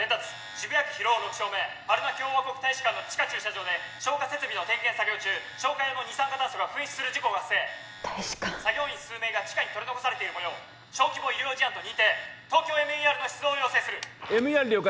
渋谷区広尾６丁目パルナ共和国大使館の地下駐車場で消火設備の点検作業中消火用の二酸化炭素が噴出する事故が発生大使館作業員数名が地下に取り残されているもよう小規模医療事案と認定ＴＯＫＹＯＭＥＲの出動を要請するＭＥＲ了解